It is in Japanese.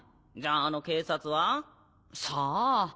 じゃああの警察は？さあ。